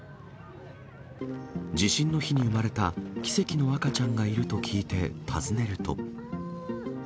地震の日に産まれた、奇跡の赤ちゃんがいると聞いて、訪ねると。